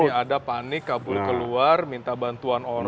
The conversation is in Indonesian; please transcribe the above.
yang ada panik kabur keluar minta bantuan orang